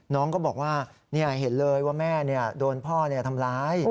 น้องก็บอกว่าเห็นเลยว่าแม่โดนพ่อทำร้าย